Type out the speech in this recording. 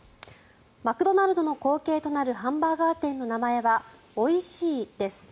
マクドナルドの後継となるハンバーガー店の名前は「おいしい。」です。